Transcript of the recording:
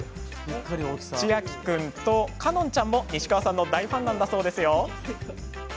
知明樹君と香音ちゃんも西川さんの大ファンなんだそうですよ。